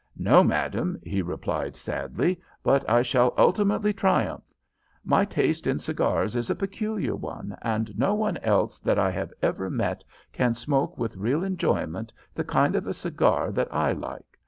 "'No, madame,' he replied, sadly, 'but I shall ultimately triumph. My taste in cigars is a peculiar one, and no one else that I have ever met can smoke with real enjoyment the kind of a cigar that I like.